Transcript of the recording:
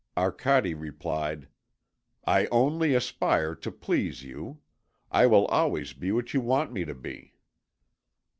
Arcade replied: "I only aspire to please you; I will always be what you want me to be."